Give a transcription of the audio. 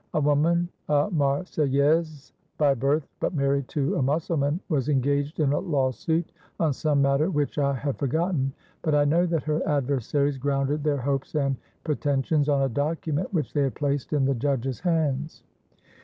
A woman, a Marseillaise by birth but married to a Mussulman, was engaged in a law suit on some matter which I have forgotten; but I know that her adversaries grounded their hopes and pretensions on a document which they had placed in the judge's hands.